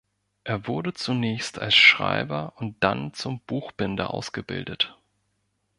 Er wurde zunächst als Schreiber und dann zum Buchbinder ausgebildet.